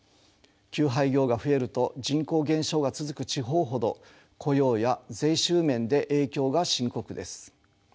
休廃業が増えると人口減少が続く地方ほど雇用や税収面で影響が深刻です。